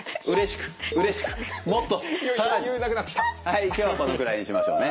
はい今日はこのぐらいにしましょうね。